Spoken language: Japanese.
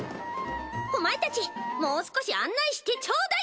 お前たちもう少し案内してちょうだい！